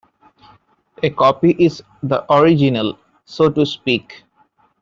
A copy "is" the original, so to speak.